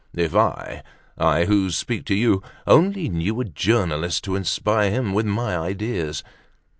If I—I who speak to you—only knew a journalist to inspire him with my ideas."